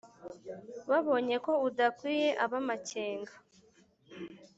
Babonye ko udakwiye ab’amakenga